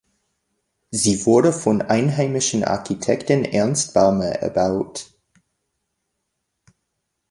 Sie wurde vom einheimischen Architekten Ernst Balmer erbaut.